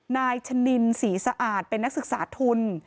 นายชะนินศรีสะอาดเป็นนักศึกษาทุน